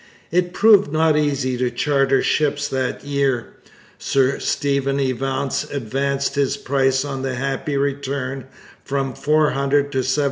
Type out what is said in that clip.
It proved not easy to charter ships that year. Sir Stephen Evance advanced his price on the Happy Return from £400 to £750.